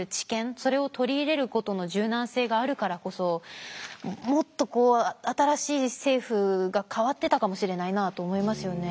それを取り入れることの柔軟性があるからこそもっとこう新しい政府が変わってたかもしれないなと思いますよね。